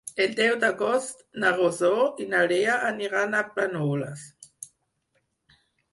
El deu d'agost na Rosó i na Lea aniran a Planoles.